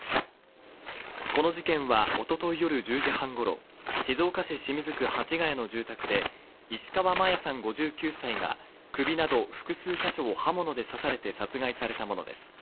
この事件は一昨日夜１０時半頃、静岡市清水区蜂ヶ谷の住宅で石川真矢さん、５９歳が首など複数箇所を刃物で刺されて殺害されたものです。